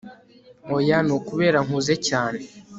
oya nukubera nkuze cyane